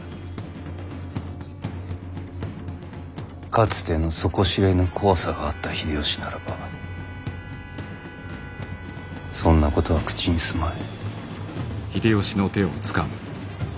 かつての底知れぬ怖さがあった秀吉ならばそんなことは口にすまい。